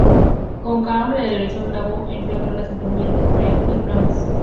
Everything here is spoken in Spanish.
Con Karajan en la dirección grabó, entre otras, las sinfonías de Beethoven y Brahms.